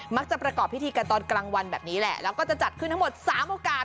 ประกอบพิธีกันตอนกลางวันแบบนี้แหละแล้วก็จะจัดขึ้นทั้งหมด๓โอกาส